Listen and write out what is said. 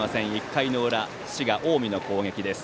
１回の裏、滋賀・近江の攻撃です。